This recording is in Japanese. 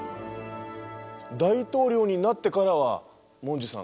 大統領になってからはモンジュさん